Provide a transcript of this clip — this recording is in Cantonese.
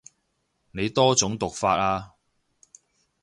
你多種讀法啊